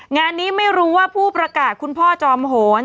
งานนี้ไม่รู้ว่าผู้ประกาศคุณพ่อจอมโหน